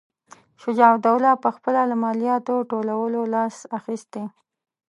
شجاع الدوله پخپله له مالیاتو ټولولو لاس اخیستی.